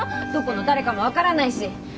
どこの誰かも分からないし。